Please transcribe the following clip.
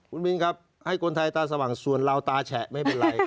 คุณมินครับให้คนไทยตาสว่างส่วนเราตาแฉะไม่เป็นไร